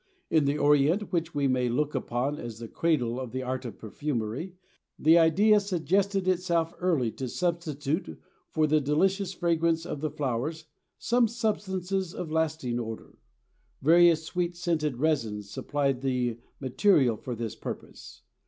In the Orient, which we may look upon as the cradle of the art of perfumery, the idea suggested itself early to substitute for the delicious fragrance of the flowers some substances of lasting odor; various sweet scented resins supplied the material for this purpose.